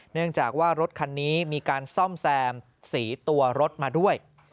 เนื่องจากว่ารถคันนี้มีการซ่อมแซมสีตัวรถมาด้วย